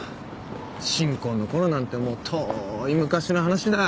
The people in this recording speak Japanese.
新婚のころなんてもう遠い昔の話だよ。